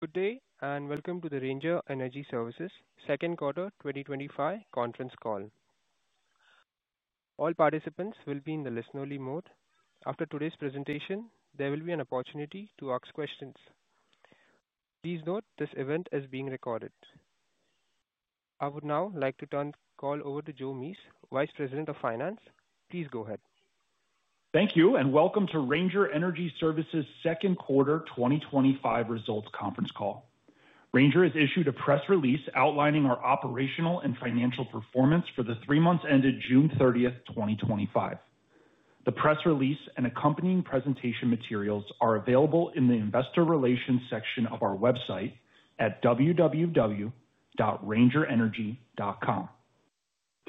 Good day and welcome to the Ranger Energy Services second quarter 2025 conference call. All participants will be in the listen-only mode. After today's presentation, there will be an opportunity to ask questions. Please note this event is being recorded. I would now like to turn the call over to Joe Mease, Vice President of Finance. Please go ahead. Thank you and welcome to Ranger Energy Services second quarter 2025 results conference call. Ranger has issued a press release outlining our operational and financial performance for the three months ended June 30th, 2025. The press release and accompanying presentation materials are available in the Investor Relations section of our website at www.rangerenergy.com.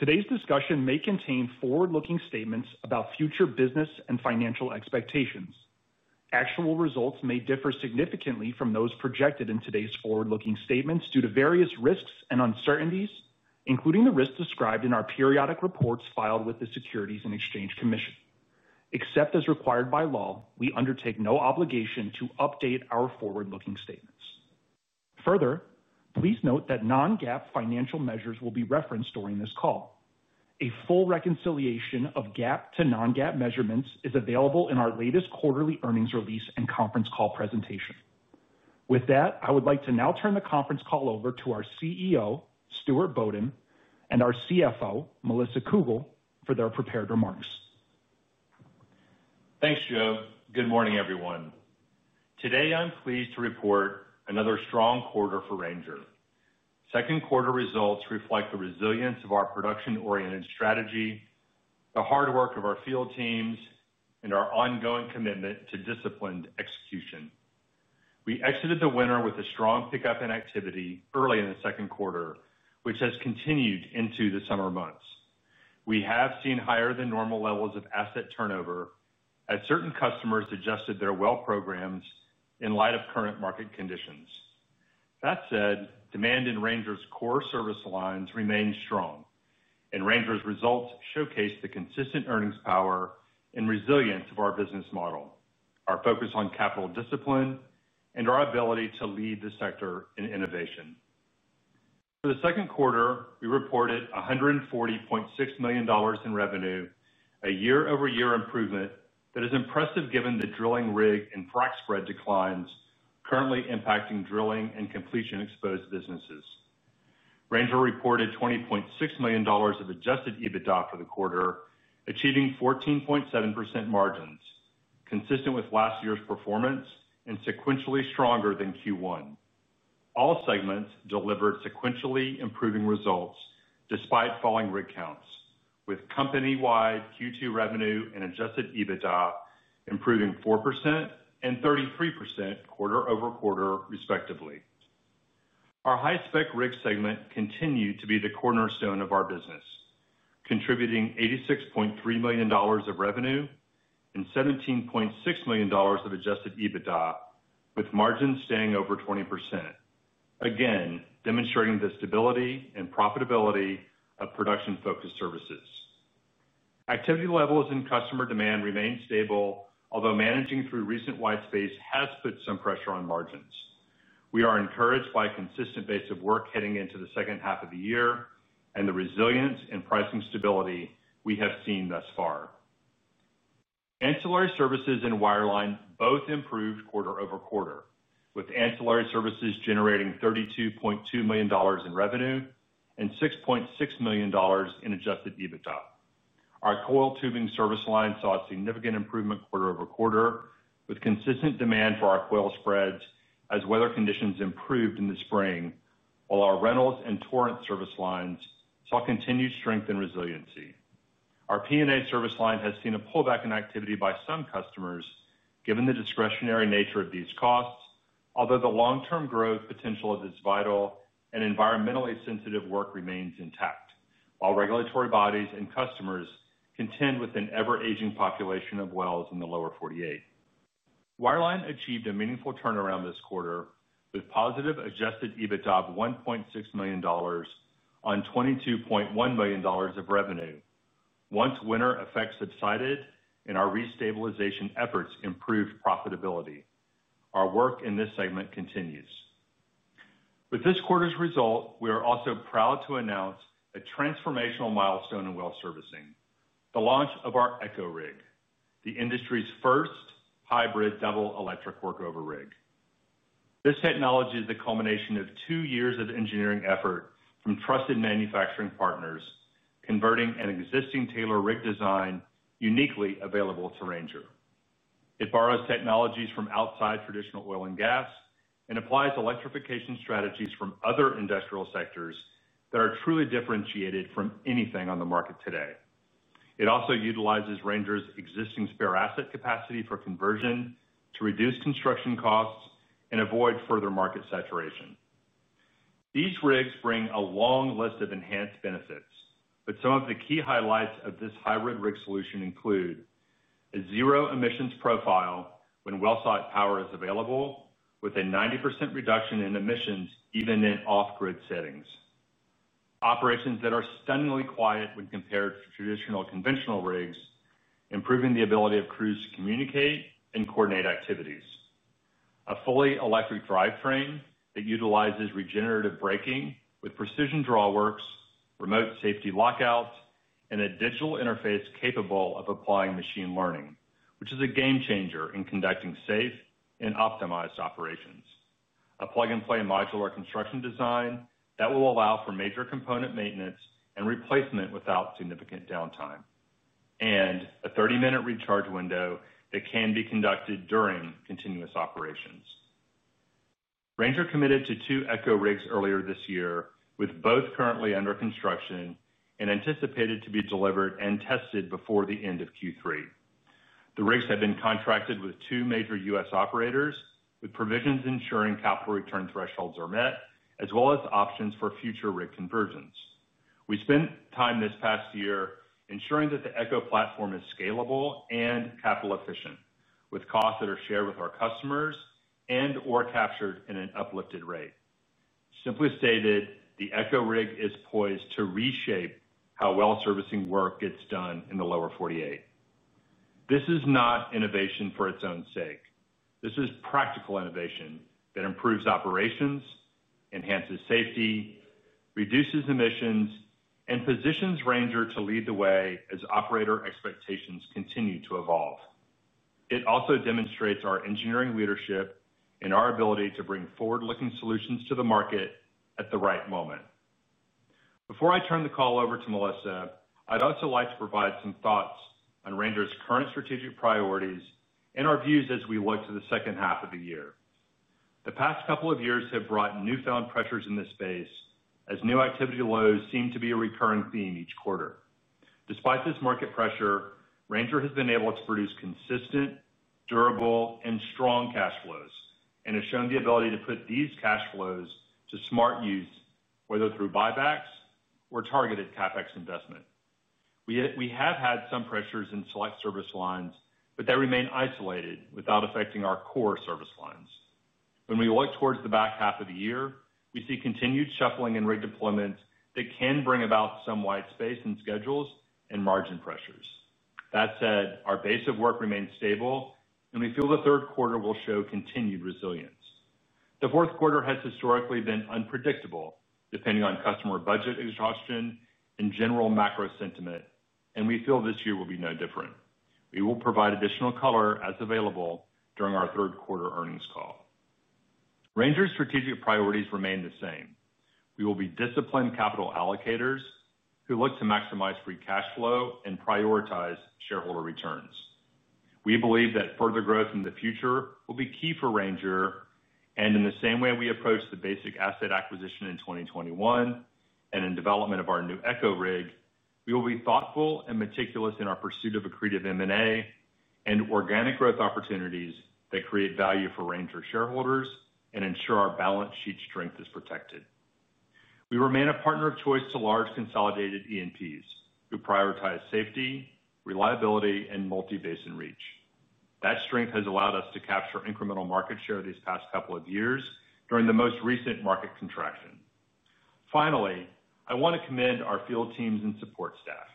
Today's discussion may contain forward-looking statements about future business and financial expectations. Actual results may differ significantly from those projected in today's forward-looking statements due to various risks and uncertainties, including the risks described in our periodic reports filed with the Securities and Exchange Commission. Except as required by law, we undertake no obligation to update our forward-looking statements. Further, please note that non-GAAP financial measures will be referenced during this call. A full reconciliation of GAAP to non-GAAP measurements is available in our latest quarterly earnings release and conference call presentation. With that, I would like to now turn the conference call over to our CEO, Stuart Bodden, and our CFO, Melissa Cougle, for their prepared remarks. Thanks, Joe. Good morning, everyone. Today, I'm pleased to report another strong quarter for Ranger. Second quarter results reflect the resilience of our production-oriented strategy, the hard work of our field teams, and our ongoing commitment to disciplined execution. We exited the winter with a strong pickup in activity early in the second quarter, which has continued into the summer months. We have seen higher than normal levels of asset turnover as certain customers adjusted their well programs in light of current market conditions. That said, demand in Ranger's core service lines remains strong, and Ranger's results showcase the consistent earnings power and resilience of our business model, our focus on capital discipline, and our ability to lead the sector in innovation. For the second quarter, we reported $140.6 million in revenue, a year-over-year improvement that is impressive given the drilling rig and frac spread declines currently impacting drilling and completion-exposed businesses. Ranger reported $20.6 million of adjusted EBITDA for the quarter, achieving 14.7% margins, consistent with last year's performance and sequentially stronger than Q1. All segments delivered sequentially improving results despite falling rig counts, with company-wide Q2 revenue and adjusted EBITDA improving 4% and 33% quarter-over-quarter, respectively. Our high-spec rig segment continued to be the cornerstone of our business, contributing $86.3 million of revenue and $17.6 million of adjusted EBITDA, with margins staying over 20%, again, demonstrating the stability and profitability of production-focused services. Activity levels in customer demand remain stable, although managing through recent white space has put some pressure on margins. We are encouraged by a consistent base of work heading into the second half of the year and the resilience and pricing stability we have seen thus far. Ancillary Services and Wireline both improved quarter-over-quarter, with Ancillary Services generating $32.2 million in revenue and $6.6 million in adjusted EBITDA. Our Coiled Tubing Services line saw a significant improvement quarter-over-quarter, with consistent demand for our coil spreads as weather conditions improved in the spring, while our rentals and Torrent service lines saw continued strength and resiliency. Our P&A service line has seen a pullback in activity by some customers given the discretionary nature of these costs, although the long-term growth potential of this vital and environmentally sensitive work remains intact, while regulatory bodies and customers contend with an ever-aging population of wells in the lower 48. Wireline achieved a meaningful turnaround this quarter, with positive adjusted EBITDA of $1.6 million on $22.1 million of revenue, once winter effects subsided and our restabilization efforts improved profitability. Our work in this segment continues. With this quarter's result, we are also proud to announce a transformational milestone in well servicing: the launch of our ECHO rig, the industry's first hybrid double electric workover rig. This technology is the culmination of two years of engineering effort from trusted manufacturing partners, converting an existing Taylor rig design uniquely available to Ranger. It borrows technologies from outside traditional oil and gas and applies electrification strategies from other industrial sectors that are truly differentiated from anything on the market today. It also utilizes Ranger's existing spare asset capacity for conversion to reduce construction costs and avoid further market saturation. These rigs bring a long list of enhanced benefits, but some of the key highlights of this hybrid rig solution include a zero-emissions profile when well site power is available, with a 90% reduction in emissions even in off-grid settings. Operations that are stunningly quiet when compared to traditional conventional rigs, improving the ability of crews to communicate and coordinate activities. A fully electric drivetrain that utilizes regenerative braking with precision draw works, remote safety lockouts, and a digital interface capable of applying machine learning, which is a game changer in conducting safe and optimized operations. A plug-and-play modular construction design that will allow for major component maintenance and replacement without significant downtime, and a 30-minute recharge window that can be conducted during continuous operations. Ranger committed to two ECHO rigs earlier this year, with both currently under construction and anticipated to be delivered and tested before the end of Q3. The rigs have been contracted with two major U.S. operators, with provisions ensuring capital return thresholds are met, as well as options for future rig conversions. We spent time this past year ensuring that the ECHO platform is scalable and capital efficient, with costs that are shared with our customers and/or captured in an uplifted rate. Simply stated, the ECHO rig is poised to reshape how well servicing work gets done in the lower 48. This is not innovation for its own sake. This is practical innovation that improves operations, enhances safety, reduces emissions, and positions Ranger to lead the way as operator expectations continue to evolve. It also demonstrates our engineering leadership and our ability to bring forward-looking solutions to the market at the right moment. Before I turn the call over to Melissa, I'd also like to provide some thoughts on Ranger's current strategic priorities and our views as we look to the second half of the year. The past couple of years have brought newfound pressures in this space, as new activity lows seem to be a recurring theme each quarter. Despite this market pressure, Ranger has been able to produce consistent, durable, and strong cash flows and has shown the ability to put these cash flows to smart use, whether through buybacks or targeted CapEx investment. We have had some pressures in select service lines, but they remain isolated without affecting our core service lines. When we look towards the back half of the year, we see continued shuffling in rig deployments that can bring about some white space in schedules and margin pressures. That said, our base of work remains stable, and we feel the third quarter will show continued resilience. The fourth quarter has historically been unpredictable, depending on customer budget exhaustion and general macro sentiment, and we feel this year will be no different. We will provide additional color as available during our third quarter earnings call. Ranger's strategic priorities remain the same. We will be disciplined capital allocators who look to maximize free cash flow and prioritize shareholder returns. We believe that further growth in the future will be key for Ranger, and in the same way we approached the basic asset acquisition in 2021 and in development of our new ECHO rig, we will be thoughtful and meticulous in our pursuit of accretive M&A and organic growth opportunities that create value for Ranger shareholders and ensure our balance sheet strength is protected. We remain a partner of choice to large consolidated E&Ps who prioritize safety, reliability, and multi-basin reach. That strength has allowed us to capture incremental market share these past couple of years during the most recent market contraction. Finally, I want to commend our field teams and support staff.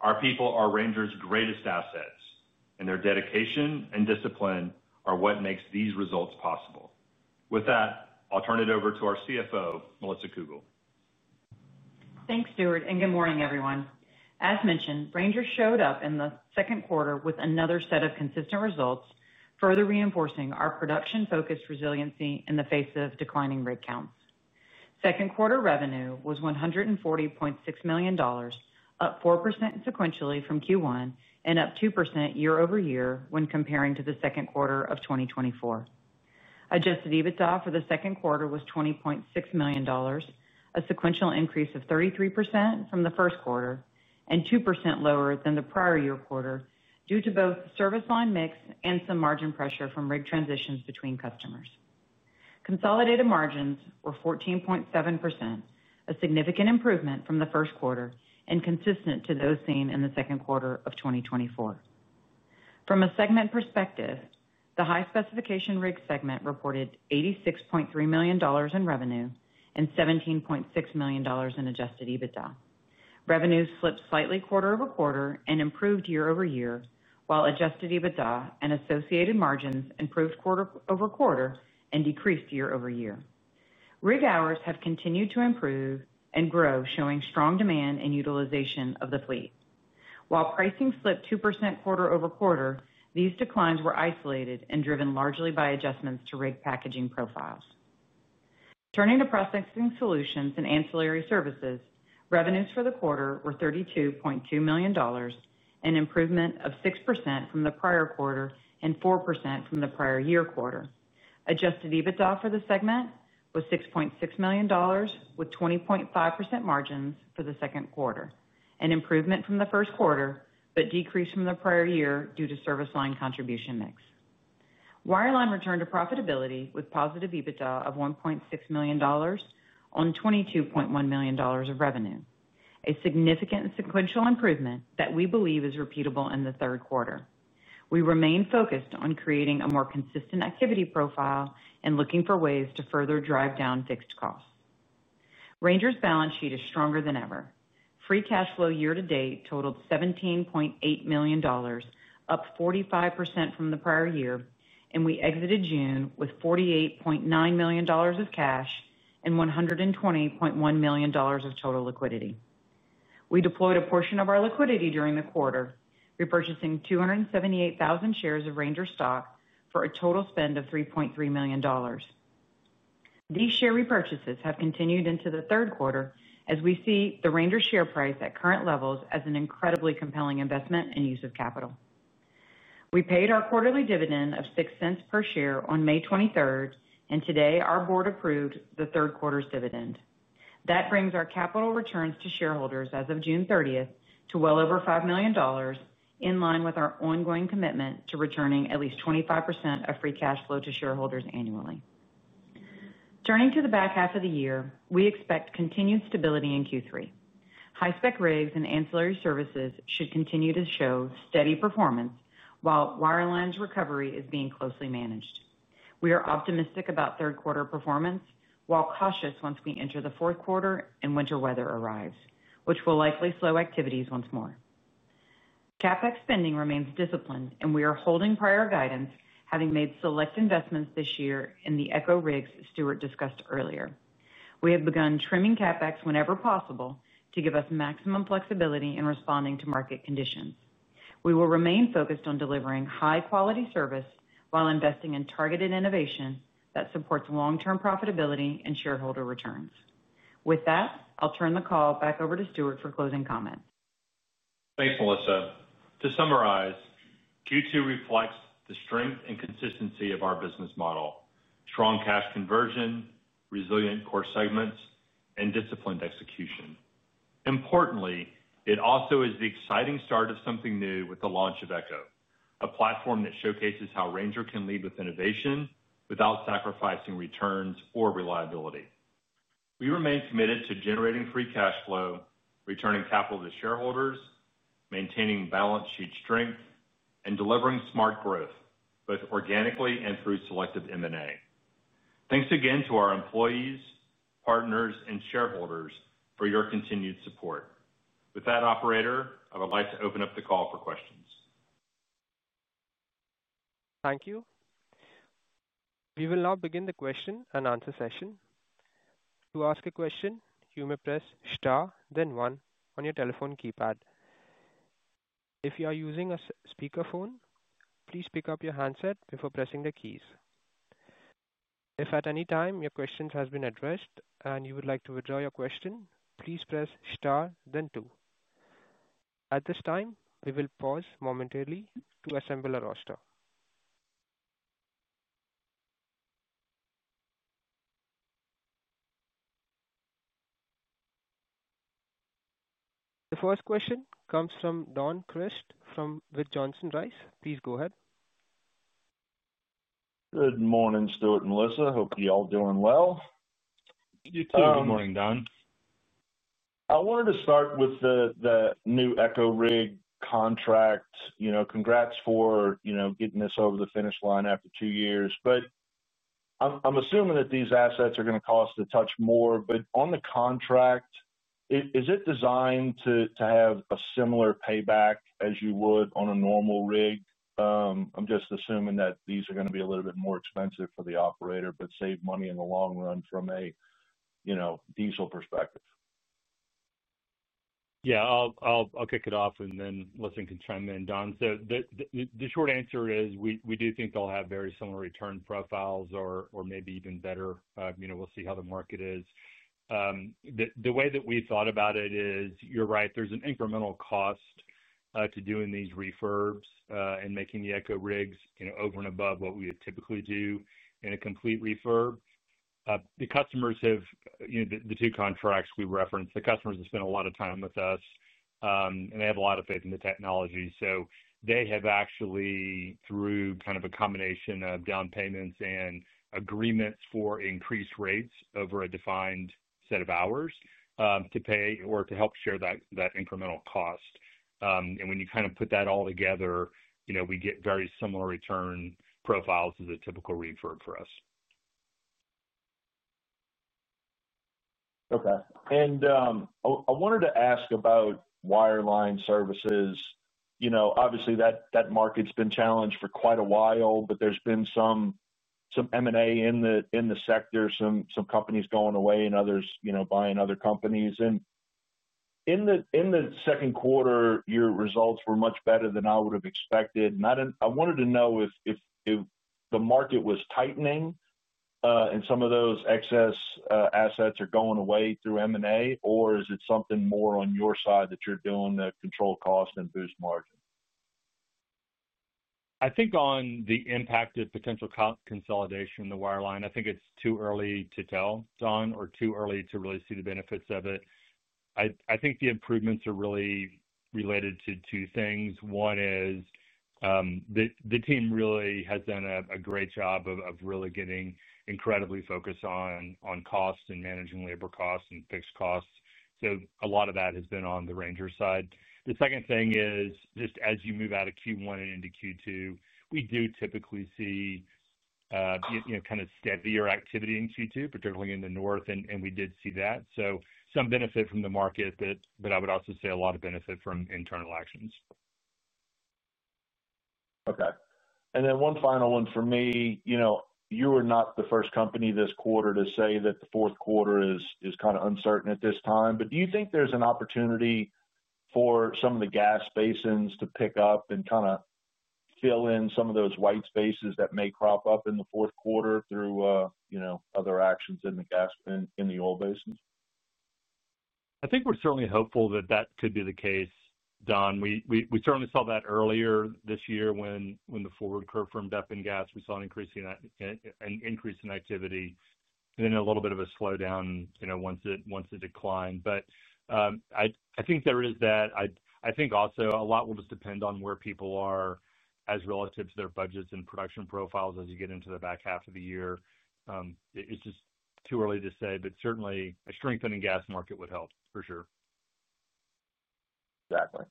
Our people are Ranger's greatest assets, and their dedication and discipline are what makes these results possible. With that, I'll turn it over to our CFO, Melissa Cougle. Thanks, Stuart, and good morning, everyone. As mentioned, Ranger showed up in the second quarter with another set of consistent results, further reinforcing our production-focused resiliency in the face of declining rig counts. Second quarter revenue was $140.6 million, up 4% sequentially from Q1 and up 2% year-over-year when comparing to the second quarter of 2024. Adjusted EBITDA for the second quarter was $20.6 million, a sequential increase of 33% from the first quarter and 2% lower than the prior year quarter due to both service line mix and some margin pressure from rig transitions between customers. Consolidated margins were 14.7%, a significant improvement from the first quarter and consistent to those seen in the second quarter of 2024. From a segment perspective, the high-specification rig segment reported $86.3 million in revenue and $17.6 million in adjusted EBITDA. Revenues flipped slightly quarter-over-quarter and improved year-over-year, while adjusted EBITDA and associated margins improved quarter-over-quarter and decreased year-over-year. Rig hours have continued to improve and grow, showing strong demand and utilization of the fleet. While pricing slipped 2% quarter-over-quarter, these declines were isolated and driven largely by adjustments to rig packaging profiles. Turning to processing solutions and Ancillary Services, revenues for the quarter were $32.2 million, an improvement of 6% from the prior quarter and 4% from the prior year quarter. Adjusted EBITDA for the segment was $6.6 million, with 20.5% margins for the second quarter, an improvement from the first quarter but decreased from the prior year due to service line contribution mix. Wireline returned to profitability with positive EBITDA of $1.6 million on $22.1 million of revenue, a significant sequential improvement that we believe is repeatable in the third quarter. We remain focused on creating a more consistent activity profile and looking for ways to further drive down fixed costs. Ranger's balance sheet is stronger than ever. Free cash flow year to date totaled $17.8 million, up 45% from the prior year, and we exited June with $48.9 million of cash and $120.1 million of total liquidity. We deployed a portion of our liquidity during the quarter, repurchasing 278,000 shares of Ranger stock for a total spend of $3.3 million. These share repurchases have continued into the third quarter as we see the Ranger share price at current levels as an incredibly compelling investment and use of capital. We paid our quarterly dividend of $0.06 per share on May 23, and today our board approved the third quarter's dividend. That brings our capital returns to shareholders as of June 30th to well over $5 million, in line with our ongoing commitment to returning at least 25% of free cash flow to shareholders annually. Turning to the back half of the year, we expect continued stability in Q3. High-spec rigs and Ancillary Services should continue to show steady performance while wireline's recovery is being closely managed. We are optimistic about third quarter performance while cautious once we enter the fourth quarter and winter weather arrives, which will likely slow activities once more. CapEx spending remains disciplined, and we are holding prior guidance, having made select investments this year in the ECHO rigs Stuart discussed earlier. We have begun trimming CapEx whenever possible to give us maximum flexibility in responding to market conditions. We will remain focused on delivering high-quality service while investing in targeted innovation that supports long-term profitability and shareholder returns. With that, I'll turn the call back over to Stuart for closing comments. Thanks, Melissa. To summarize, Q2 reflects the strength and consistency of our business model: strong cash conversion, resilient core segments, and disciplined execution. Importantly, it also is the exciting start of something new with the launch of ECHO, a platform that showcases how Ranger can lead with innovation without sacrificing returns or reliability. We remain committed to generating free cash flow, returning capital to shareholders, maintaining balance sheet strength, and delivering smart growth, both organically and through selective M&A. Thanks again to our employees, partners, and shareholders for your continued support. With that, operator, I would like to open up the call for questions. Thank you. We will now begin the question and answer session. To ask a question, you may press star, then one on your telephone keypad. If you are using a speakerphone, please pick up your handset before pressing the keys. If at any time your question has been addressed and you would like to withdraw your question, please press star, then two. At this time, we will pause momentarily to assemble a roster. The first question comes from Don Crist with Johnson Rice. Please go ahead. Good morning, Stuart and Melissa. Hope you're all doing well. You too. Good morning, Don. I wanted to start with the new ECHO rig contract. Congrats for getting us over the finish line after two years. I'm assuming that these assets are going to cost a touch more. On the contract, is it designed to have a similar payback as you would on a normal rig? I'm just assuming that these are going to be a little bit more expensive for the operator, but save money in the long run from a diesel perspective. Yeah, I'll kick it off and then Melissa can chime in, Don. The short answer is we do think they'll have very similar return profiles or maybe even better. You know, we'll see how the market is. The way that we thought about it is, you're right, there's an incremental cost to doing these refurbs and making the ECHO rigs, you know, over and above what we would typically do in a complete refurb. The customers have, you know, the two contracts we've referenced, the customers have spent a lot of time with us, and they have a lot of faith in the technology. They have actually, through kind of a combination of down payments and agreements for increased rates over a defined set of hours, to pay or to help share that incremental cost. When you kind of put that all together, you know, we get very similar return profiles as a typical refurb for us. Okay. I wanted to ask about wireline services. Obviously, that market's been challenged for quite a while, but there's been some M&A in the sector, some companies going away and others buying other companies. In the second quarter, your results were much better than I would have expected. I wanted to know if the market was tightening and some of those excess assets are going away through M&A, or is it something more on your side that you're doing to control cost and boost margin? I think on the impact of potential consolidation in the wireline, I think it's too early to tell, Don, or too early to really see the benefits of it. I think the improvements are really related to two things. One is the team really has done a great job of really getting incredibly focused on costs and managing labor costs and fixed costs. A lot of that has been on the Ranger side. The second thing is just as you move out of Q1 and into Q2, we do typically see, you know, kind of steadier activity in Q2, particularly in the north, and we did see that. Some benefit from the market, but I would also say a lot of benefit from internal actions. Okay. One final one for me. You are not the first company this quarter to say that the fourth quarter is kind of uncertain at this time, but do you think there's an opportunity for some of the gas basins to pick up and kind of fill in some of those white spaces that may crop up in the fourth quarter through other actions in the gas in the oil basins? I think we're certainly hopeful that that could be the case, Don. We certainly saw that earlier this year when the forward curve from DEP and gas, we saw an increase in activity and then a little bit of a slowdown once it declined. I think there is that. I think also a lot will just depend on where people are as relative to their budgets and production profiles as you get into the back half of the year. It's just too early to say, but certainly a strengthening gas market would help for sure. Exactly.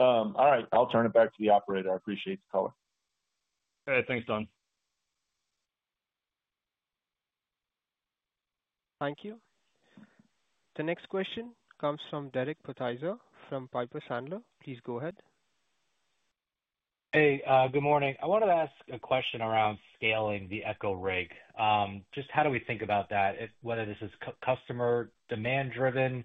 All right, I'll turn it back to the operator. I appreciate the call. All right. Thanks, Don. Thank you. The next question comes from Derek Podhaizer from Piper Sandle. Please go ahead. Hey, good morning. I wanted to ask a question around scaling the ECHO rig. Just how do we think about that, whether this is customer demand-driven?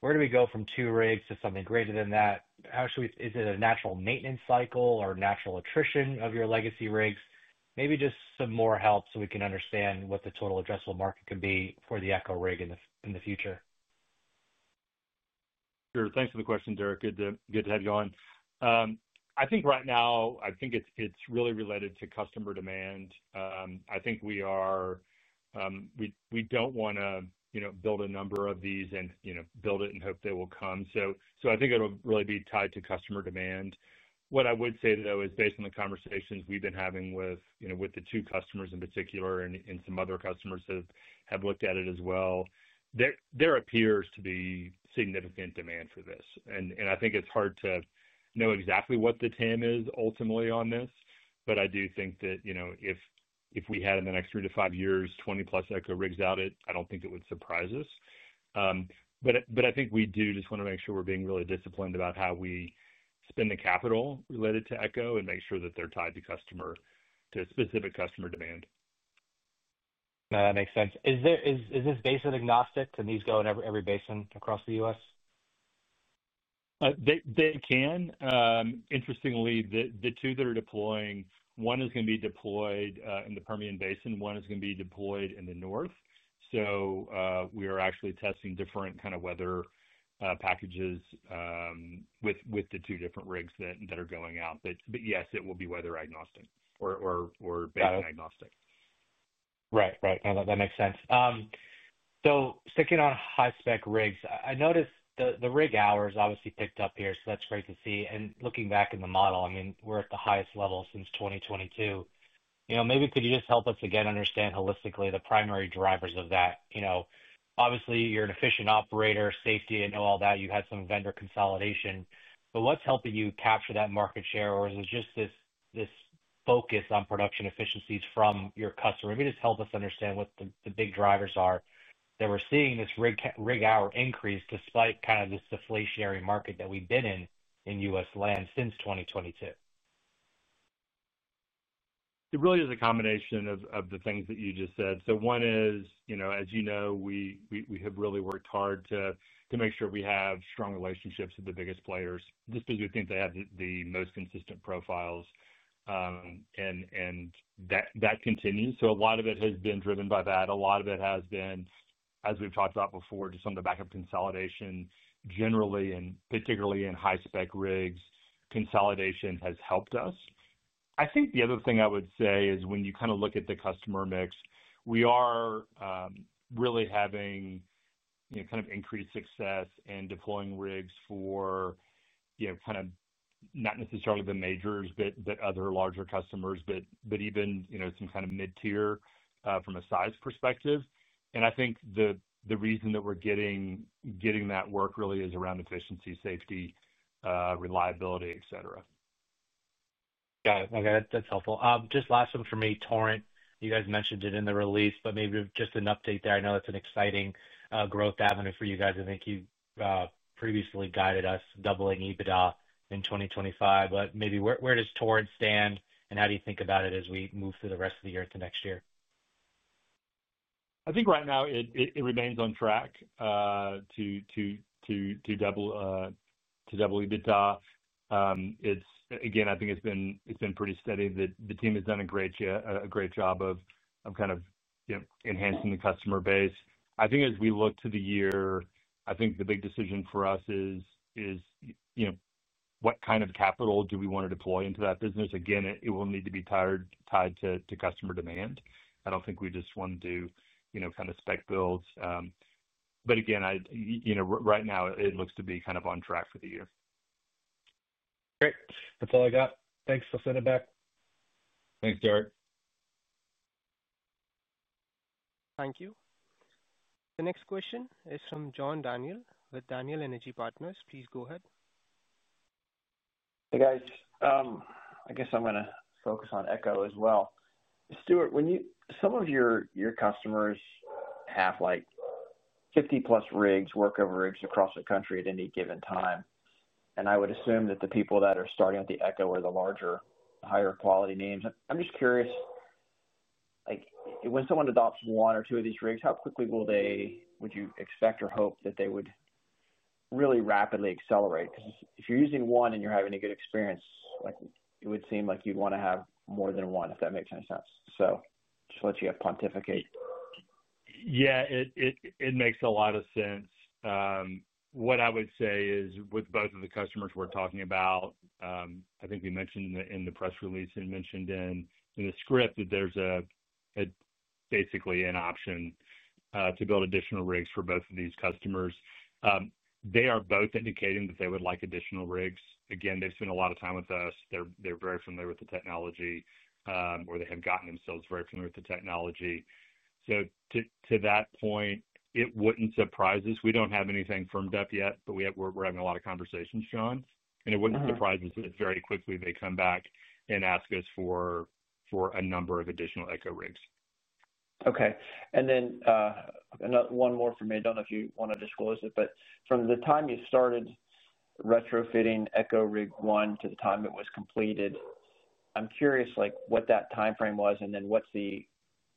Where do we go from two rigs to something greater than that? How should we, is it a natural maintenance cycle or natural attrition of your legacy rigs? Maybe just some more help so we can understand what the total addressable market could be for the ECHO rig in the future. Sure. Thanks for the question, Derek. Good to have you on. I think right now it's really related to customer demand. We don't want to build a number of these and build it and hope they will come. I think it'll really be tied to customer demand. What I would say, though, is based on the conversations we've been having with the two customers in particular and some other customers that have looked at it as well, there appears to be significant demand for this. I think it's hard to know exactly what the TAM is ultimately on this, but I do think that if we had in the next three to five years, 20+ ECHO rigs out, it wouldn't surprise us. I think we do just want to make sure we're being really disciplined about how we spend the capital related to ECHO and make sure that they're tied to specific customer demand. That makes sense. Is this basin agnostic? Can these go in every basin across the U.S.? They can. Interestingly, the two that ae deploying, one is going to be deployed in the Permian Basin, one is going to be deployed in the north. We are actually testing different kind of weather packages with the two different rigs that are going out. Yes, it will be weather agnostic or basin agnostic. Right, right. No, that makes sense. Sticking on high-spec rigs, I noticed the rig hours obviously peaked up here, so that's great to see. Looking back in the model, we're at the highest level since 2022. You know, maybe could you just help us again understand holistically the primary drivers of that? Obviously, you're an efficient operator, safety, and all that. You had some vendor consolidation. What's helping you capture that market share, or is it just this focus on production efficiencies from your customers? Maybe just help us understand what the big drivers are that we're seeing this rig hour increase despite kind of this deflationary market that we've been in in U.S. land since 2022. It really is a combination of the things that you just said. One is, as you know, we have really worked hard to make sure we have strong relationships with the biggest players just because we think they have the most consistent profiles. That continues. A lot of it has been driven by that. A lot of it has been, as we've talked about before, just on the back of consolidation generally, and particularly in high-spec rigs, consolidation has helped us. I think the other thing I would say is when you kind of look at the customer mix, we are really having increased success in deploying rigs for not necessarily the majors, but other larger customers, and even some kind of mid-tier from a size perspective. I think the reason that we're getting that work really is around efficiency, safety, reliability, et cetera. Got it. Okay, that's helpful. Just last one for me, Torrent. You guys mentioned it in the release, but maybe just an update there. I know it's an exciting growth avenue for you guys. I think you previously guided us doubling EBITDA in 2025, but maybe where does Torrent stand and how do you think about it as we move through the rest of the year to next year? I think right now it remains on track to double EBITDA. I think it's been pretty steady. The team has done a great job of kind of enhancing the customer base. I think as we look to the year, the big decision for us is, you know, what kind of capital do we want to deploy into that business? It will need to be tied to customer demand. I don't think we just want to do, you know, kind of spec builds. Right now it looks to be kind of on track for the year. Great. That's all I got. Thanks, Melissa and Derek. Thanks, Derek. Thank you. The next question is from John Daniel with Daniel Energy Partners. Please go ahead. Hey guys, I guess I'm going to focus on ECHO as well. Stuart, some of your customers have like 50+ rigs, workover rigs across the country at any given time. I would assume that the people that are starting at the ECHO are the larger, higher quality names. I'm just curious, like when someone adopts one or two of these rigs, how quickly would you expect or hope that they would really rapidly accelerate? If you're using one and you're having a good experience, it would seem like you'd want to have more than one, if that makes any sense. To let you have pontificate. Yeah, it makes a lot of sense. What I would say is with both of the customers we're talking about, I think we mentioned in the press release and mentioned in the script that there's basically an option to build additional rigs for both of these customers. They are both indicating that they would like additional rigs. They've spent a lot of time with us. They're very familiar with the technology, or they have gotten themselves very familiar with the technology. To that point, it wouldn't surprise us. We don't have anything firmed up yet, but we're having a lot of conversations, Sean. It wouldn't surprise us if very quickly they come back and ask us for a number of additional ECHO rigs. Okay. One more for me. I don't know if you want to disclose it, but from the time you started retrofitting ECHO rig one to the time it was completed, I'm curious what that timeframe was, and what's the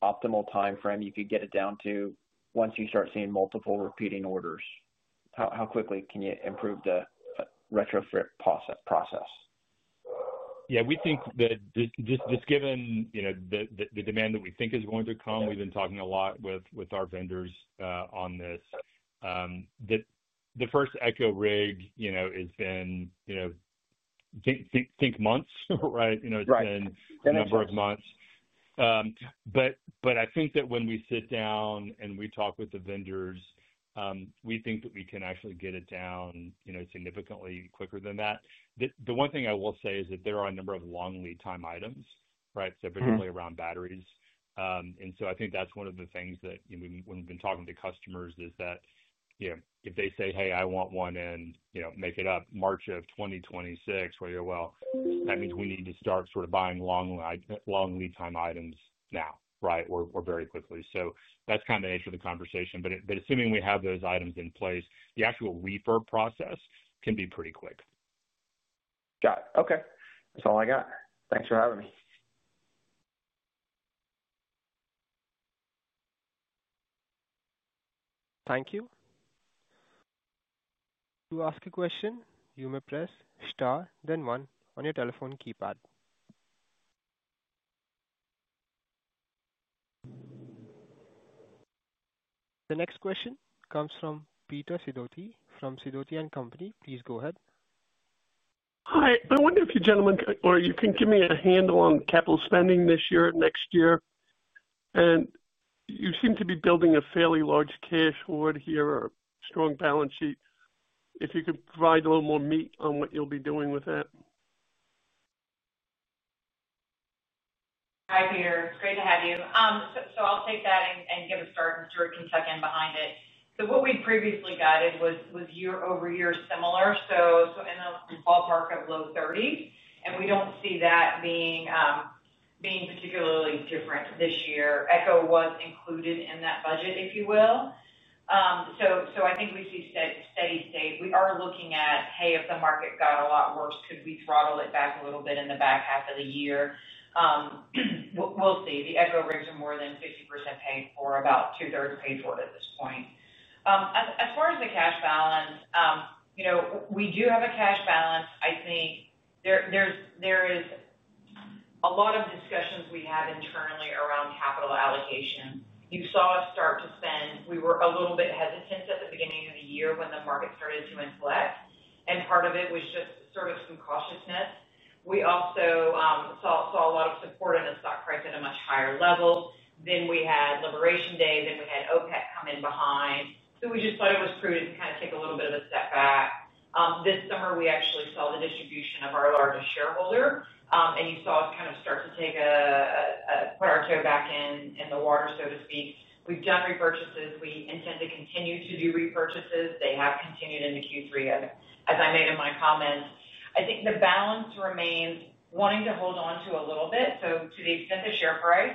optimal timeframe you could get it down to once you start seeing multiple repeating orders? How quickly can you improve the retrofit process? Yeah, we think that just given the demand that we think is going to come, we've been talking a lot with our vendors on this. The first ECHO rig has been, I think, months, right? It's been a number of months. I think that when we sit down and we talk with the vendors, we think that we can actually get it down significantly quicker than that. The one thing I will say is that there are a number of long lead time items, basically around batteries. I think that's one of the things that, when we've been talking to customers, is that if they say, "Hey, I want one in, make it up March of 2026," that means we need to start sort of buying long lead time items now, or very quickly. That's kind of the nature of the conversation. Assuming we have those items in place, the actual refurb process can be pretty quick. Got it. Okay, that's all I got. Thanks for having me. Thank you. To ask a question, you may press star, then one on your telephone keypad. The next question comes from Peter Sidoti from Sidoti & Company. Please go ahead. Hi. I wonder if you gentlemen or you can give me a handle on capital spending this year and next year. You seem to be building a fairly large cash hoard here or strong balance sheet. If you could provide a little more meat on what you'll be doing with it. Hi, Peter. It's great to have you. I'll take that and give a start and Stuart can check in behind it. What we previously guided was year-over-year similar, so in a ballpark of low 30s. We don't see that being particularly different this year. ECHO was included in that budget, if you will. I think we see a steady state. We are looking at, hey, if the market got a lot worse, could we throttle it back a little bit in the back half of the year? We'll see. The ECHO rigs are more than 50% paid for, about two-thirds paid for at this point. As far as the cash balance, we do have a cash balance. I think there is a lot of discussions we have internally around capital allocation. You saw us start to spend. We were a little bit hesitant at the beginning of the year when the market started to inflict. Part of it was just sort of some cautiousness. We also saw a lot of support in a stock price at a much higher level. We had liberation days, and we had OPEC come in behind. We just thought it was prudent to take a little bit of a step back. This summer, we actually saw the distribution of our largest shareholder. You saw us start to take a put our toe back in the water, so to speak. We've done repurchases. We intend to continue to do repurchases. They have continued in Q3. As I made in my comments, I think the balance remains wanting to hold on to a little bit. To the extent the share price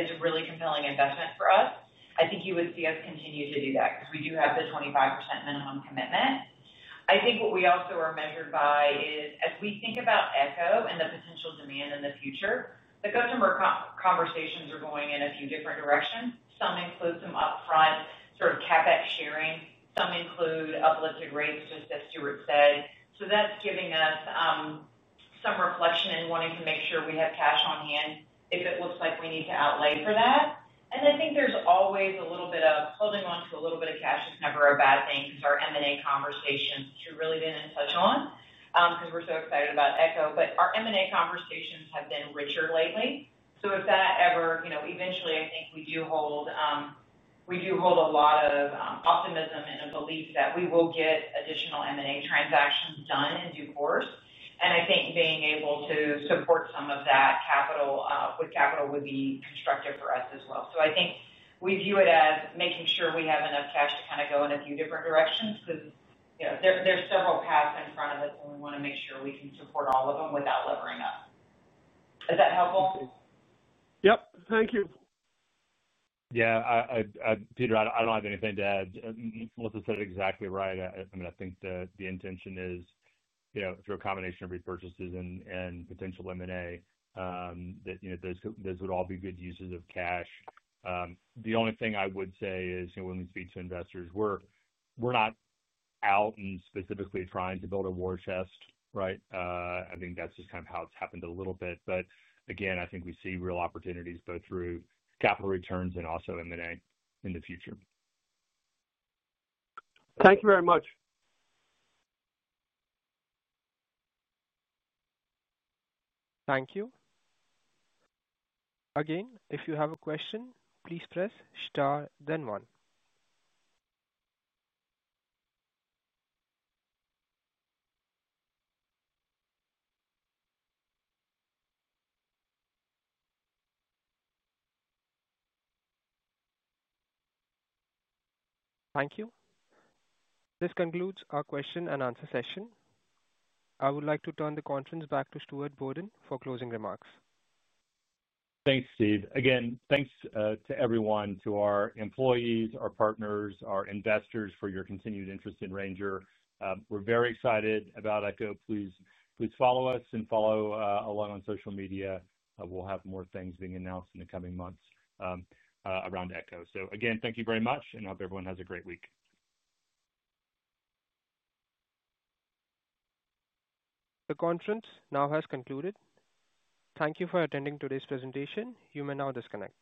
is a really compelling investment for us, I think you would see us continue to do that because we do have the 25% minimum commitment. I think what we also are measured by is as we think about ECHO and the potential demand in the future, the customer conversations are going in a few different directions. Some include some upfront sort of CapEx sharing. Some include uplifted rates, just as Stuart said. That's giving us some reflection and wanting to make sure we have cash on hand if it looks like we need to outlay for that. I think there's always a little bit of holding on to a little bit of cash. It's never a bad thing because our M&A conversations, we really didn't touch on because we're so excited about ECHO. Our M&A conversations have been richer lately. If that ever, you know, eventually I think we do hold a lot of optimism and a belief that we will get additional M&A transactions done in due course. I think being able to support some of that capital with capital would be constructive for us as well. I think we view it as making sure we have enough cash to kind of go in a few different directions because, you know, there's several paths in front of it, and we want to make sure we can support all of them without levering up. Is that helpful? Yeah. Thank you. Yeah. Peter, I don't have anything to add. Melissa said exactly right. I mean, I think the intention is, you know, through a combination of repurchases and potential M&A, that, you know, those would all be good uses of cash. The only thing I would say is, you know, when we speak to investors, we're not out and specifically trying to build a war chest, right? I think that's just kind of how it's happened a little bit. Again, I think we see real opportunities both through capital returns and also M&A in the future. Thank you very much. Thank you. Again, if you have a question, please press star, then one. Thank you. This concludes our question and answer session. I would like to turn the conference back to Stuart Bodden for closing remarks. Thanks, Steve. Again, thanks to everyone, to our employees, our partners, our investors for your continued interest in Ranger. We're very excited about ECHO. Please follow us and follow along on social media. We'll have more things being announced in the coming months around ECHO. Again, thank you very much, and I hope everyone has a great week. The conference now has concluded. Thank you for attending today's presentation. You may now disconnect.